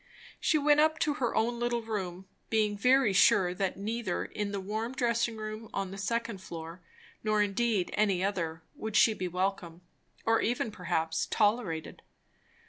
She went up to her own little room, being very sure that neither in the warm dressing room on the second floor, nor indeed in any other, would she be welcome, or even perhaps tolerated.